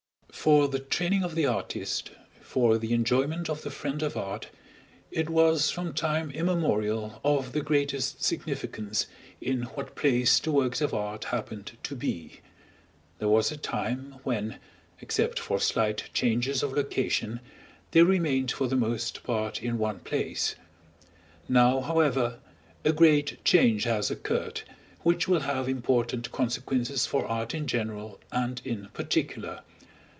For the training of the artist, for the enjoyment of the friend of art, it was from time immemorial of the greatest significance in what place the works of art happened to be. There was a time when, except for slight changes of location, they remained for the most part in one place; now, however, a great change has occurred, which will have important consequences for art in general and in particular.